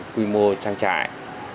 quy mô trang trại